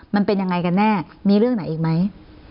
มันเป็นยังไงกันแน่มีเรื่องไหนอีกไหม